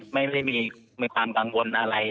ไม่ได้มีความกังวลอะไร